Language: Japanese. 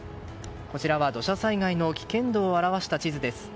こちらは土砂災害の危険度を表した地図です。